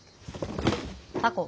タコ？